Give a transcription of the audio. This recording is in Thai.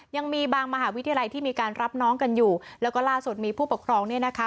ยังมีบางมหาวิทยาลัยที่มีการรับน้องกันอยู่แล้วก็ล่าสุดมีผู้ปกครองเนี่ยนะคะ